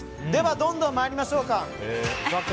どんどん参りましょうか。